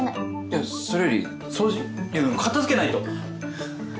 いやそれより掃除片付けないと！